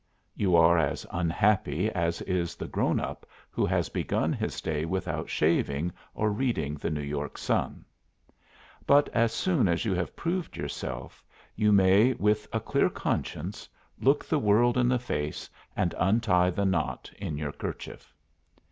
You are as unhappy as is the grown up who has begun his day without shaving or reading the New York Sun. But as soon as you have proved yourself you may, with a clear conscience, look the world in the face and untie the knot in your kerchief.